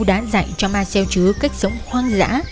đã dạy cho ma seo chứa cách sống hoang dã